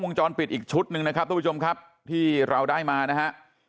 จรปิดอีกชุดหนึ่งนะครับทุกผู้ชมครับที่เราได้มานะฮะ